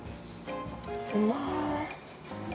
うまい。